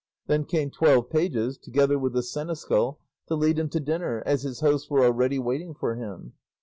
Then came twelve pages, together with the seneschal, to lead him to dinner, as his hosts were already waiting for him.